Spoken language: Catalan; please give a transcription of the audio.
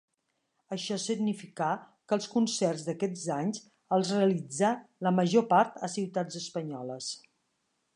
Això significà que els concerts d'aquests anys els realitzà, la major part, a ciutats espanyoles.